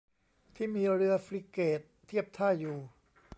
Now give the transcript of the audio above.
ที่มีเรือฟริเกตเทียบท่าอยู่